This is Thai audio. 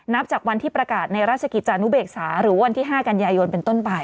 จากวันที่ประกาศในราชกิจจานุเบกษาหรือวันที่๕กันยายนเป็นต้นไป